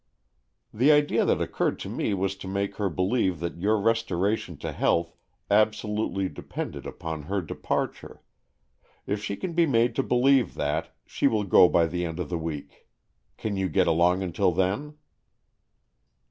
" The idea that occurred to me was to make her believe that your restoration to health AN EXCHANGE OF SOULS 185 absolutely depended upon her departure. If she can be made to believe that, she will go by the end of the week. Can you get along until then?